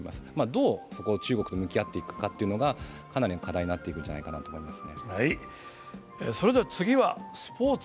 どう、そこを中国と向き合っていくのかは、かなり課題になっているんじゃないかなと思います。